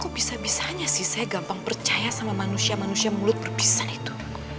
kok bisa bisanya sih saya gampang percaya sama manusia manusia mulut berpisah itu